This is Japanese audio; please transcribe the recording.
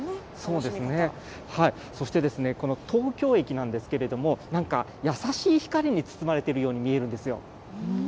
そうですね、そして、この東京駅なんですけれども、優しい光に包まれているように見えるんですよ。